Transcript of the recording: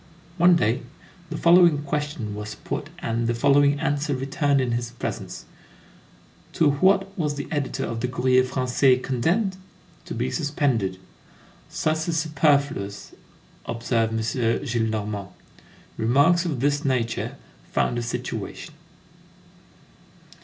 One day, the following question was put and the following answer returned in his presence: "To what was the editor of the Courrier Français condemned?" "To be suspended." "Sus is superfluous," observed M. Gillenormand.22 Remarks of this nature found a situation.